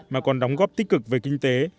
mà còn đóng góp tích cực về kinh tế